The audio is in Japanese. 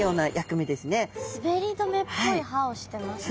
すべり止めっぽい歯をしてますね。